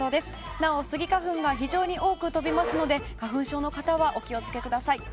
なおスギ花粉が非常に多く飛びますので花粉症の方はお気を付けください。